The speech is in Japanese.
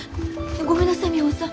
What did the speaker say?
ごめんなさいミホさん。